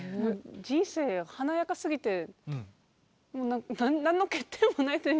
人生華やかすぎて何の欠点もないというか。